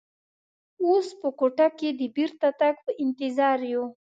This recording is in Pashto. اوس په کوټه کې د بېرته تګ په انتظار یو.